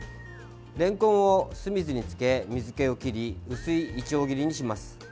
れんこんを酢水につけ水けを切り薄いいちょう切りにします。